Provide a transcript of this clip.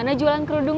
mau makan siang